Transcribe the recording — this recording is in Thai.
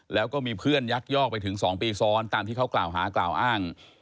แล้วก็มีเพื่อนยักยอกไปถึง๒ปีซ้อนตามที่เขากล่าวหากล่าวอ้าง